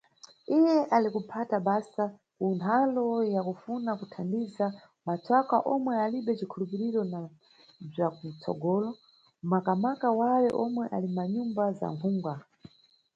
Iye ali kuphata basa ku ntalo ya kufuna kuthandiza matswaka omwe alibe cikhulupiriro na bzwa kutsogolo, makamaka wale omwe ali mʼmanyumba za akhungwa.